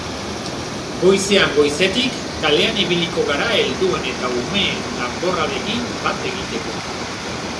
Goizean goizetik, kalean ibiliko gara helduen eta umeen danborradekin bat egiteko.